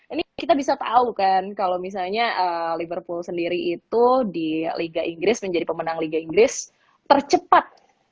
ini kita bisa tahu kan kalau misalnya liverpool sendiri itu di liga inggris menjadi pemenang liga inggris tercepat